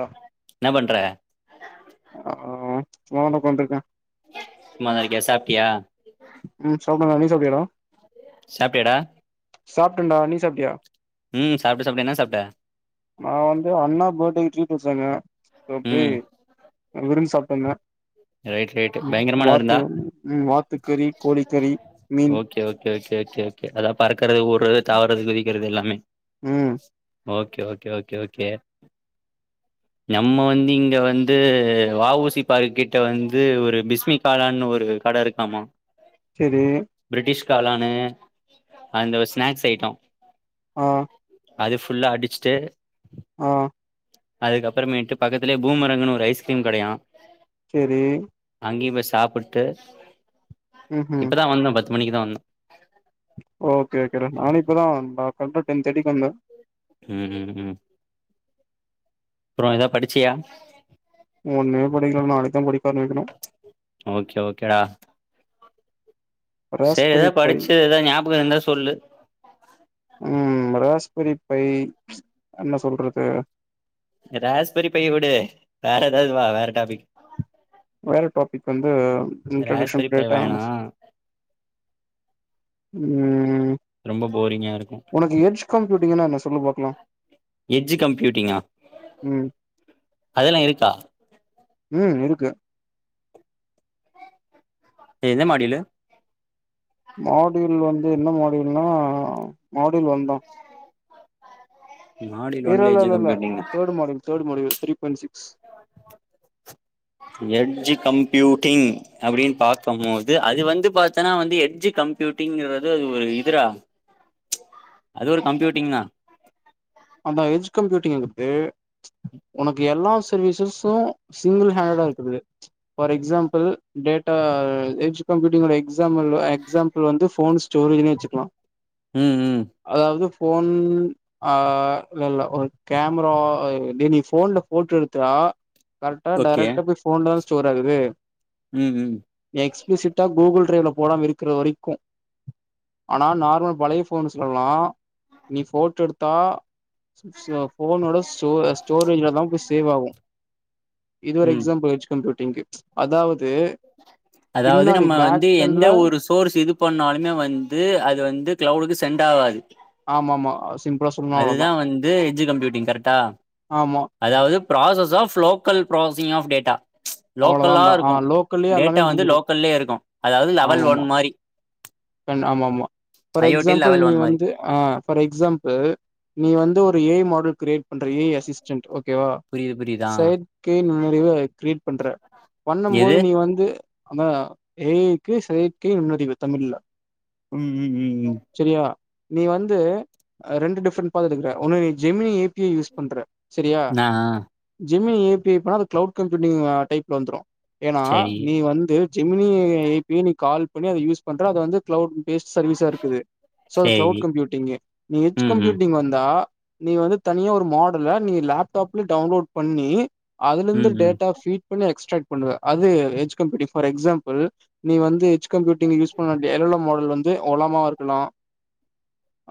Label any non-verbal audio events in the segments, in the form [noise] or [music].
ஆ என்ன பண்ற அவ சும்மா தான உக்காந்துருக்கா சும்மாதா இருக்கே சாப்ட்டியா ம் சாப்ட்டேடா நீ சாப்டியா டா சாப்டியா டா சாப்டன் டா நீ சாப்டியா ம் சாப்ட் சாப்ட்ட என்னா சாப்ட்ட நா வந்து அண்ணா பர்த்டேக்கு ட்ரீட் வெச்சாங்க சோ போயி ம் விருந்து சாப்ட்டு வந்த ரைட் ரைட் பயங்கரமான வாத்து விருந்தா உ வாத்துக்கறி, கோழிக்கறி மீன் ஓகே ஓகே கேகேகே அதா பறக்கறது ஊறது தாவறது குதிக்கறது எல்லாமே ம் ஓகே ஓகே ஓகே ஓகே நம்ம வந்து இங்க வந்து வ ஊ சி பார்க்கிட்ட வந்து ஒரு பிஸ்மிக் காலான்னு ஒரு கட இருக்காமா செரி பிரிட்டிஷ் காலானு அந்த ஸ்நாக்ஸ் ஐட்டோ ஆ அது ஃபுல்லா அடிச்சுட்டு ஆ அதுக்கப்புறமேட்டு பக்கத்துல பூமரங்கன்னு ஒரு ஸ்கிரீம் கடையா செரி அங்கியு போய் சாப்புட்டு ம் ம் இப்பதா வந்தோ பத்து மணிக்கு தா வந்தோ ஓகே ஓகேடா நானு இப்பதா [unintelligible] டென் தேர்ட்டிக்கு வந்தே ம் ம் ம் அப்புறோ ஏதா படிச்சியா ஒண்ணுமே படிக்கல நாளைக்கு தா படிக்க ஆரம்பிக்கணு ஓகே ஓகேடா செர் ராஸ்பெரி ஏதாது பை படிச்சு ஏதாவது ஞாபகோ இருந்தா சொல்லு ம் ராஸ்பரி பை என்ன சொல்றது ராஸ்பரி பைய விடு வேற ஏதாது வா வேற டாபிக் வேற டாபிக் வந்து ராஸ்பெரி இன்ட்ரொடெக்ஷன் பை டேட்டா வேணா ஆனஸ் ம் ரொம்ப போரிங்கா இருக்கு உனக்கு எஜ் கம்யூட்டிங்கன்னா என்ன சொல்லு பாக்லா எஜ்ஜு கம்ப்யூட்டிங்கா ம் அதலா இருக்கா ம் இருக்கு எந்த மாடிலு மாடியூல்லு வந்து என்ன மாடியூல்னா மாடியூல் ஒன்ந்தா மாடியூல் எர ஒன்ல எட்ஜ் இல்லல்ல computing third module third module three point six edge computing அப்டின்னு பாக்கும்போது அது வந்து பாத்தன்னா வந்து எட்ஜி கம்ப்பியூட்டிங்கறது அது ஒரு இதுரா அது ஒரு கம்ப்பியூடிங்கா அந்த எஜ் கம்ப்பியூட்டிங்கறது உனக்கு எல்லா சர்வீசஸஸ்ஸும் சிங்கிள் ஹேண்டடா இருக்குது ஃபார் எக்ஸாம்பிள் டேட்டா எஜ் கம்யூட்டிங்கோட எக்ஸாம்மல் எக்ஸாம் பள் வந்து ஃபோன் ஸ்டோரேஜ்னு வச்சுகுலா ம் ம் அதாவது போன் அ அ இல்லல்ல ஒரு கேமரா டே நீ போன்ல போட்டோ எடுத்தா கரெக்டா ஓகே டைரக்டா போய் போன்ல தா ஸ்டோர் ஆகுது ம் ம் எக்ஸ்ப்ளூசிட்டா கூகுள் டிரைவ்ல போடாம இருக்கிற வரைக்கும் ஆனா நார்மல் பழைய ஃபோன்ஸ்லெல்லாம் நீ போட்டோ எடுத்தா ஸோ ஃபோனோட ஸ்டோ ஸ்டோரேஜ்லதா போய் சேவ் ஆகும் இது ஒரு ம் எக்ஸாம்பிள் ஹெச்கம்யூடிங்கு அதாவது அதாவது பின்னாடி நம்ம வந்து எந்த பேக்கண்ட்ல ஒரு சோர்ஸ் இது பண்ணாலுமே வந்து அது வந்து கிளவுடுக்கு சென்ட் ஆகாது ஆமா ஆமா சிம் அதுதா வந்து எஜ் கம்ப்யூட்டிங் கரெக்டா ஆமா அதாவது process of local processing of data லோக்கல்லா அவ்ளோதான்டா ஆ இருக்கும் லோக்கல்லயே டேட்டா எல்லாமே வந்து முடிஞ்சிரு லோக்கல்லயே இருக்கும் அதாது லெவல் ஒன் மாரி பெண் ஆமா ஆமா for I O T example level நீ ஒன் மாரி வந்து ஆ ஃபார் எக்ஸாம்பிள் நீ வந்து ஏ ஐ மாடல் கிரியேட் பண்ற ஏ ஐ அசிஸ்டன்ட் ஓகேவா புரிது புரிதா கே நெறைவு கிரியேட் பண்ற பண்ணும் போது எது நீ வந்து அதா ஏ ஐ க்கு செயற்கை நுண்ணறிவு தமிழ்ல ம் ம் ம் ம் செரியா நீ வந்து ரெண்டு டிஃபரெண்ட் பாத்து எடுக்கற ஒன்னு நீ Gemini A P I use பண்ற செரியா ஆ ஆ ஜெமினி ஏபிஐ போனா அது கிளவுட் கம்ப்யூட்டிங் டைப்ல வந்துரும் ஏனா செரி நீ வந்து ஜெமினி ஏ பி ஐ நீ கால் பண்ணி அத யூஸ் பண்ற அது வந்து கிளவுட் பேஸ் சர்வீஸா இருக்குது சோ அது கிளவுட் சேரி கம்ப்யூட்டிங்கு நீ எஜ் ம் ம் கம்யூட்டிங் வந் தா நீ வந்து தனியா ஒரு மாடல நீ லேப்டாப்ல டவுன்லோட் பண்ணி அதுல இருந்து ம் ம் டேட்டா ஃபீட் பண்ணி எக்ஸ்ரக்ட் பண்ணுவ அது எஜ் கம்யுட்டீங் ஃபார் எக்ஸாம்பிள் நீ வந்து எஜ் கம்யூட்டிங் யூஸ் பண்ண எல்லோ மாடல் வந்து ஒலாமாவா இருக்கலாம்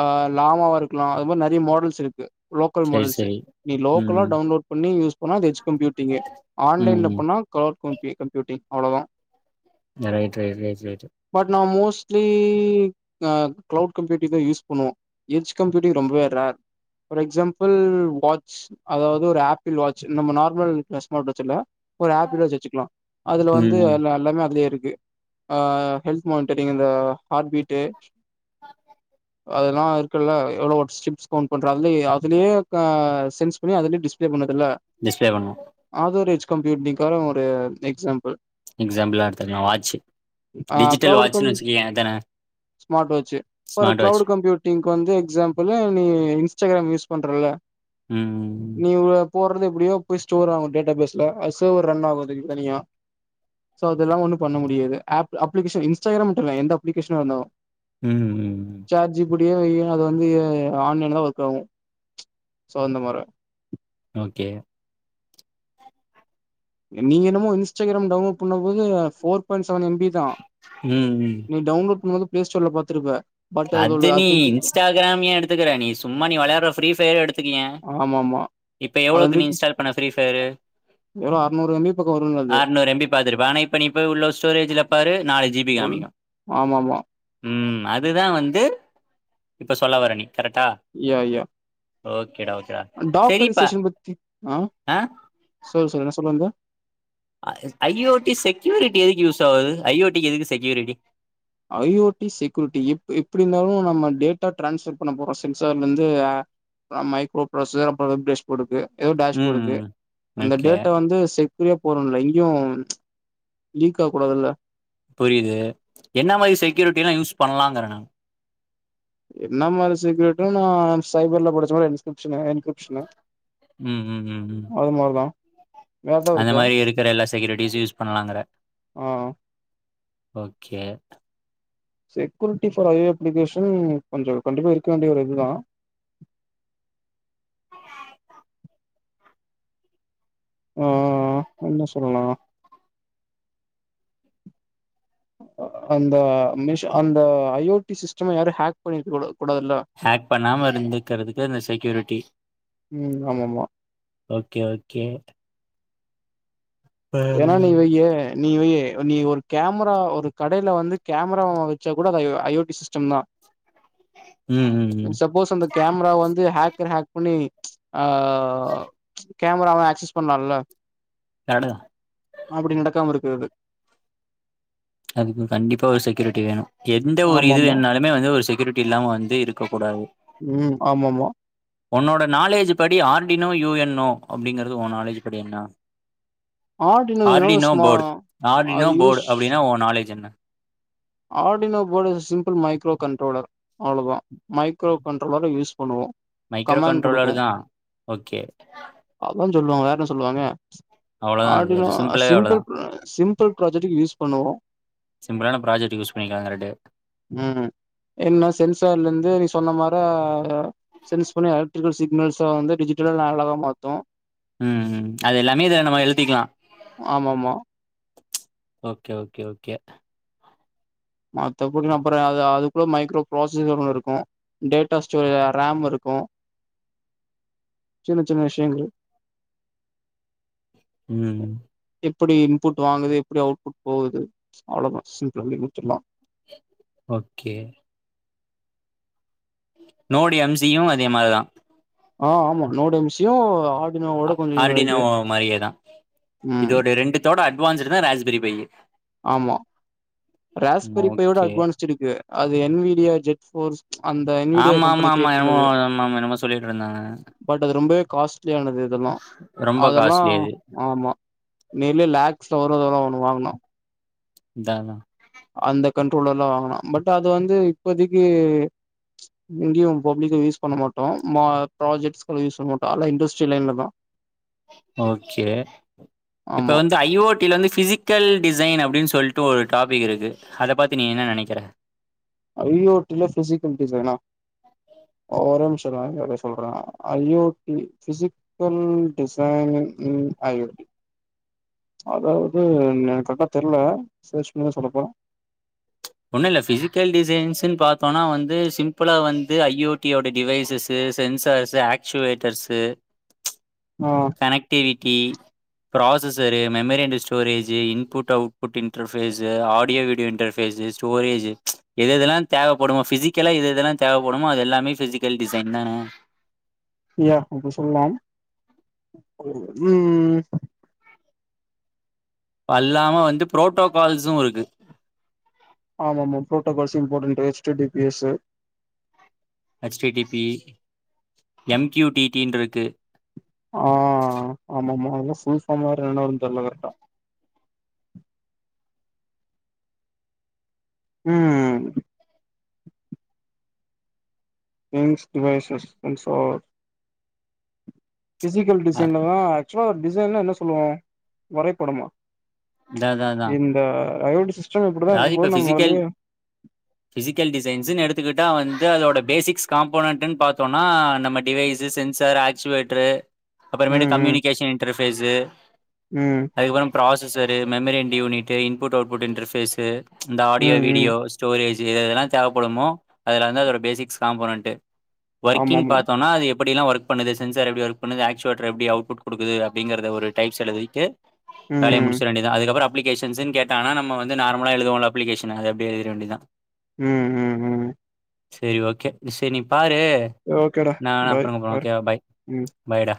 ஆ லாமாவா இருக்கலாம் அது மாரி நறைய மோடல்ஸ் இருக்கு லோக்கல் செரி மோடல்ஸ் செரி நீ ம் லோக்கலா ம் டவுன்லோட் பண்ணி யூஸ் பண்ணா அது எஜ் கம்ப்யூட்டிங்கு ஆன்லைன்ல ம் ம் பண்ணா கிளவுட் கப்யூட்டிங் அவ்ளோதான் நறைய [unintelligible] பட் நா மோஸ்ட்லி நான் க்ளவ் கம்ப்யூட்டிங் தான் யூஸ் பண்ணுவோம் எஜ் கம்ப்யூட்டிங் ரொம்பவே ரேர் ஃபார் எக்சாம்பிள் வாட்ச் அதாவது ஒரு ஆப்பிள் வாட்ச் நம்ம நார்மல் ஸ்மார்ட் வாட்ச் இல்ல ஒரு ஆப்பிள் வாட்ச் வச்சுக்கலாம் அதுல ம் வந்து ம் எல் எல்லாமே அதுலே இருக்கு அ ஹெல்த் மானிடரிங் அந்த ஹார்ட் பீட்டு அதெல்லாம் இருக்குல்ல எவ்ளோ ஒருஸ்ட்ரிப்ஸ் கவுண்ட் பண்ற அதுலய அ அதலே சென்ஸ் பண்ணி அதுலே‌ டிஸ்பளே பண்ணதுல்ல டிஸ்பிளே பண்ணும் ஆது ஒரு எசஜ் கம்ப்யூடிங் க்கான ஒரு எக்ஸாம்பிள் எக்ஸாம்பிளா எடுத்தா வாட்சு ஆ டிஜிட் கிளவுட் கம் ஸ்மார்ட் வாட்சு ஒரு smart watch cloud computing வந்து எக்ஸாம்பிள் நீ இன்ஸ்டாகிராம் யூஸ் பண்றல ம் நீ இவ்ளோ போறது எப்டியோ போய்ஸ்டோர் ஆகும் டேட்டாபேஸ்ல அது சேர்வர் ரன் ஆகும் அதுக்கு தனியா சோ அது இல்லாம ஒண்ணும் பண்ண முடியாது ஆஃப் அப்ளிகேஷன் இன்ஸ்டாகிராம் மட்டும்ல்ல எந்த அப்ளிகேஷனும் இருந்தாலும் ம் ம் chat G P T A I அது வந்து ஆன்லைன் தா ஒர்க் ஆகு சோ அந்த மாரி ஓகே நீங்க என்னமோ இன்ஸ்டாகிராம் டவுன்லோட் பண்ண போது four point seven M B ஹான் ம் ம் நீ டவுன்லோட் பண்ணு போது பிளே ஸ்டோர்ல பாத்துருப்ப பட் அதோட அது நீ இருக்கு. இன்ஸ்டாகிராம ஏன் எடுத்துக்கிற நீ சும்மா நீ வெளாற ஃப்ரீ பயர் எடுத்து எடுத்துகயேன் ஆமா ஆமா இப்ப அதுல எவ்ளோக்கு நீ இருக்கு இன்ஸ்டால் பண்ண ஃப்ரீ பயரு நூறு எம் பி பக்கம் வருங்க அறுநூறு எம்பி பாத்துருப்பா ஆனா இப்ப நீ இப்ப உள்ள ஸ்டோரேஜ்ல பாரு நாலு ஜிபி காமிக்கு ஆமாமா ம் அதுதா வந்து இப்ப சொல்ல வர நீ கரெக்டா யா யா ஓகேடா ஓகேடா சரிப்பா டாக்கரிஸேஷன் பத்தி அ ஆ சொல்லு சொல்லு என்ன சொல்ல வந்த I I O T security எதுக்கு யூஸ் ஆகுது ஐ ஓ டிக்கு எதுக்கு security I O T security எப் எப்டி இருந்தாலு நம்ம டேட்டா டிரான்ஸ்போர்ட் பண்ண போறோ சென்சார்ல இருந்து அ மைக்ரோ ப்ராஸ்சு அப்றோ பெஸ் போடுக்கு ஏதோ டேஷ் ம் போர்டுக்கு ம் அந்த ஓகே டேட்டா வந்து செக்யூரியா போறும்ல இங்கயு லீக் ஆக கூடாதுல்ல புரியுது என்ன மாறி செக்யூரிட்டி எல்லா யூஸ் பண்ணலாங்கறே நா என்ன மாறி செக்யூரிட்டீனா நா சைபர்ல படிச்ச மாறி இஸ்கிரிப்ஷனு இஸ்கிரிப்ஷனு ம் ம் ம் ம் அது மாறி தா அந்த மாதிரி இருக்கிற எல்லா செக்யூரிட்டிஸும் யூஸ் பண்ணலாங்கற ஆ ஆ okay security for I application கொஞ்சோ கண்டிப்பா இருக்க வேண்டிய ஒரு இதுதா அ என்ன சொல்லலா அ அந்த மிஷி அந்த ஐ ஓ டி சிஸ்டம் யாரும் ஹாக் பண்ணி இருக்க கூட கூடாதுல ஹேக் பண்ணாம இருந்துக்கிறதுக்கு இந்த செக்யூரிட்டி ம் ஆமாமா ஓகே ஓகே ஏன்னா நீ ம் வையே நீ வை நீ ஒரு கேமரா ஒரு கடையில வந்து கேமரா வச்சா கூட அத I I O T system தா ம் ம் சப்போஸ் அந்த கேமரா வந்து ஹேக்கர் ஹேக் பண்ணி அ கேமரா ஆக்சஸ் பண்ணலாம்ல [inaudible] அப்டி நடக்காம இருக்கிறது அதுக்கு கண்டிப்பா ஒரு செக்யூரிட்டி வேணு எந்த ஒரு இது ஆமாமா வேணுனாலு இனிமே வந்து ஒரு செக்யூரிட்டி இல்லாம வந்து இருக்க கூடாது ம் ஆமாமா ஒன்னோட நாலேஜ் படி ஆர்டினோ யூஎன்னோ அப்டிங்கறது உன் நாலேஜ் படி என்ன ஆர்டினோ யூனோ ஆர்டிநோ ஸ்மா போர்டு ஆர்டி நோ அது யூஸ் போர்டு அப்டின்னா உ நாலேஜ் என்ன Arduino board simple micro controller அவ்ளோதா மைக்ரோ கண்ட்ரோலர யூஸ் பண்ணுவோ மைக்ரோ கமாண்ட் கண்ட்ரோலர் குடுக்கு தா ஓகே அதா சொல்லுவங்க வேற என்ன சொல்லுவாங்க அவ்ளோதா அது ஆர்டினோ அது சிம்பிளாவே அவ்ளோதா சிம்பிள் சிம்பிள் ப்ராஜெக்ட்டுக்கு யூஸ் பண்ணுவோ சிம்பிளான ப்ராஜக்ட் யூஸ் பண்ணிக்கலா கரெட்டு ம் என்ன சென்சார்ல இருந்து நீ சொன்ன மார சென்ஸ் பண்ணி எடு இங்க சிக்னல்ஸா வந்து டிஜிட்டல வேலதா பாத்தோ ம் ம் அது எல்லாமே இதுல நம்ம எழுத்திக்கலா ஆமா ஆமா ஓகே ஓகே ஓகே மத்தபடி நம்பரே அது அதுக்குள்ள மைக்ரோ ப்ராசஸர் ஒன்னு இருக்கு டேட்டா ஸ்டோரே ரேம் இருக்கு சின்ன சின்ன விஷயங்கள் ம் எப்புடி இன்புட் வாங்குது எப்புடி அவுட்புட் போவுது அவ்ளோ தா சிம்பிள் ஒன்லி முடிச்சிட்லா okay node M G U மாரிதா ஆ ஆமா நோடு எம் ஜி யு ஆ ஆர் டி நோவா மாரியேதா ம் இதோட ரெண்டுத்தோட அட்வான்ஸ்டு தா ராஸ்பிரி பையி ஆமா ராஸ்பிரிப்போட ஓகே அட்வான்ஸ்ட் இருக்கு அது என் வீடியா ஜெட் ஃபோர்ஷ் ஆமா ஆமா ஆமா என்னமோ ஆமா என்னமோ சொல்லிட்டு இருந்தாங்க பட் அது ரொம்பவே காஸ்ட்லியானது இதெல்லா ரொம்ப அதெல்லா காஸ்ட்லி அது ஆமா நியர்லி லேக்ஸ்ல வரு [unintelligible] ஒன்னு வாங்னு இந்தாத அந்த கண்ட்ரோலல்லா வாங்குனா பட் அது வந்து இப்போதைக்கு எங்கேயு பப்ளிக்ல யூஸ் பண்ண மாட்டோ மா ப்ராஜெக்ட்ஸ் யூஸ் பண்ண மாட்டோ அதுல இண்டஸ்ட்ரி லைன்ல தா ஓகே இப்ப ஆமா வந் து ஐ ஓ டி ல வந்து ஃபிசிக்கல் டிசைன் அப்டின்னு சொல்ட்டு ஒரு டாபிக் இருக்கு அத பத்தி நீ என்ன நினைக்கிற ஜ ஓ டி னா ஃஃபிசிக்கல் டிஸைன்னா அ ஒரேநிம்ஷங்க இத சொல்றே I O T physical design in I O T அதாவது எனக்கு கரெக்டா தெரியல சேர்ச் பண்ணிதா சொல்லப்போற ஒண்ணு இல்ல ஃபிசிக்கல் டிசைன்ஸ்ன்னு பாத்தோனா வந்து சிம்புளா வந்து ஐ ஓ டி ஓட டிவைசஸ் வந்து sensors actuators a connectivity processor memory and storage input output interface audio video interfaces storage எதுஎதெல்லா தேவப்படுமோ ஃபிசிக்கலா எதுஎதெல்லா தேவப்படுமோ அது எல்லாமே ஃபிசிக்கல் டிசைன் தானே யா அப்டி சொல்லலா ம் ம் அல்லாம வந்து ப்ரோட்டோகால்ஸூ இருக்கு ஆமா ஆமா protocols இம்பார்ன்டட் hatched T P S H T T P M Q T டினு இருக்கு ஆ ஆமா ஆமா அதெல்லா ஃபுல்பாம் வெர என்னன்ன வரு தெரியல கரட்டா ம் இன்ஸ் டிவைசஸ் இன்ஷோ ஃபிசிக்கல் அ டிசைன்லதா ஆக்சுவலா டிசைன்லா என்ன சொல்லுவோ வரைபடமா அதா அதா அதா இந்த ஐ ஓ டி சிஸ்டம் இப்டிதா இருக்கு போல நம்ம அதுலயே ஃபிசிகல்ஸ் டிசைன்ஸ்ன்னு எடுத்துக்கிட்டா வந்து அதோட பேசிக்ஸ் காம்போன்னட் பாத்தோம்னா நம்ம டிவைஸ் தீ சென்சார் ஆக்சுவேட்ரு அப்பறோமேட்டு ம் ம் கம்யூனிகேஷன் இன்டர்பேஸ் ம் அதுக்கப்புறோ processor memory and unit input output interface இந்த ஆடியோ ம் ம் வீடியோஸ் ஸ்டோரேஜ் எது எதெல்லா தேவைப்படுமோ அதெல்லா தா அதோட பேசிக்ஸ் காம்போனட்டு ஒர்க்கிங் ஆமாமா பாத்தோனா அது எப்பிடிலா ஒர்க் பண்ணுது சென்சார் எப்டி ஒர்க் பண்ணுது ஆக்சுவட்டர் எப்டி அவுட்புட் குடுக்குது அப்டிங்கறது ஒரு டைப்ஸ் செலவூ இருக்கே ம் வேலய ம் முடிச்சுட வேண்டியது தா அதுக்கப்பறோ அப்ளிகேஷன்ஸ் கேட்டானா நம்ம வந்து நார்மல் நம்முளா எழுதுவோல அளிகேஷன் அப்டி எழுதிட வேண்டியதா ம் ம் ம் சரி ஓகே சரி நீ பாரு ஓகேடா நா பாய் அப்பறோ கூப்பறோ பாரு ஓகேவா பாய் ம் பாய்டா